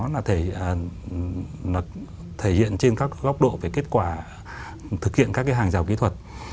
nó thể hiện trên các góc độ về kết quả thực hiện các cái hàng rào kỹ thuật